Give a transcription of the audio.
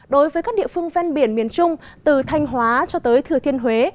đối với các địa phương ven biển miền trung từ thanh hóa cho tới thừa thiên huế